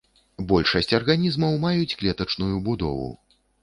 Большасць арганізмаў маюць клетачную будову.